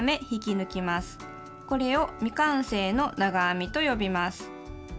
これを「未完成の長編み」と呼びます。